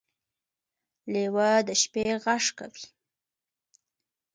لیوه د شپې غږ کوي.